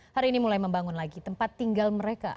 hari ini mulai membangun lagi tempat tinggal mereka